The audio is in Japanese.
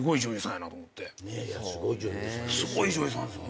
すごい女優さんですよ。